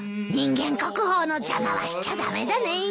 人間国宝の邪魔はしちゃ駄目だね。